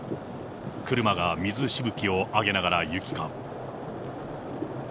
車が水しぶきを上げながら行き交う。